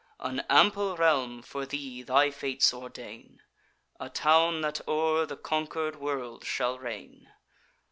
An ample realm for thee thy fates ordain, A town that o'er the conquer'd world shall reign.